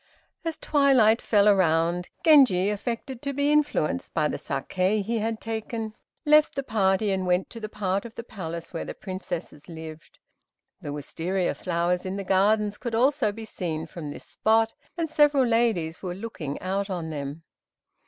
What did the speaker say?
As twilight fell around, Genji affected to be influenced by the saké he had taken, left the party, and went to that part of the Palace where the Princesses lived. The Wistaria flowers in the gardens could also be seen from this spot, and several ladies were looking out on them.